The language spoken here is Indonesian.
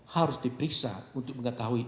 harus diperiksa untuk mengetahui